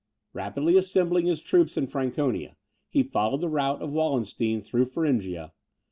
Rapidly assembling his troops in Franconia, he followed the route of Wallenstein through Thuringia.